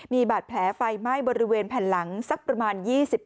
มีบาดแผลไฟไหม้บริเวณแผ่นหลังสักประมาณ๒๐